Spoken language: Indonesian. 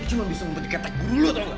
gue cuma bisa membuktikan tekur lo